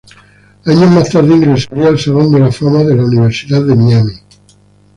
Años más tarde ingresaría al Salón de la Fama de la Universidad de Miami.